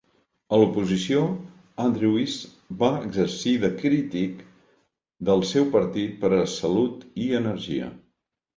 A l'oposició, Andrewes va exercir de crític del seu partit per a Salut i Energia.